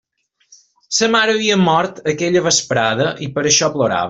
Sa mare havia mort aquella vesprada, i per això plorava.